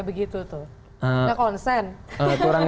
misalnya sarah ada pertandingan sendiri sarah bisa dapat perunggu